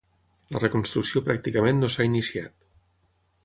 La reconstrucció pràcticament no s'ha iniciat.